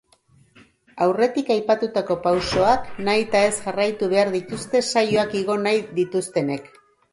Aurretik aipatutako pausoak nahitaez jarraitu behar dituzte saioak igo nahi dituztenek.